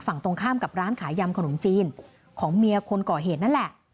ฝั่งตรงข้ามกับร้านขายยำขนมจีนของเมียคนก่อเหตุนั่นแหละ